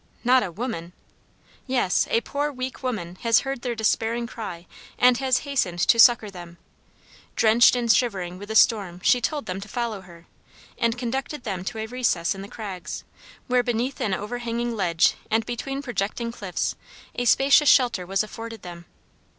Not a woman! Yes, a poor, weak woman has heard their despairing cry and has hastened to succor them. Drenched and shivering with the storm she told them to follow her, and conducted them to a recess in the crags, where beneath an overhanging ledge and between projecting cliffs, a spacious shelter was afforded them.